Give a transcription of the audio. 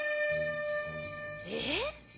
えっ？